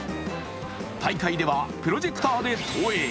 大会ではプロジェクターで投影。